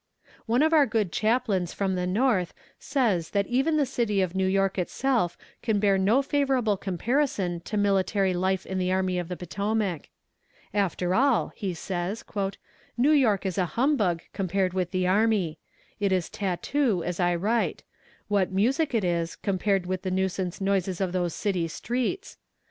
One of our good chaplains from the North says that even the city of New York itself can bear no favorable comparison to military life in the Army of the Potomac. "After all," he says: "New York is a humbug compared with the army. It is tattoo, as I write; what music it is, compared with the nuisance noises of those city streets!